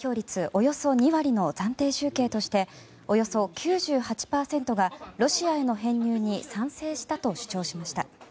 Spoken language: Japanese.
およそ２割の暫定集計としておよそ９８％がロシアへの編入に賛成したと主張しました。